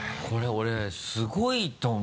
これはすごいわ。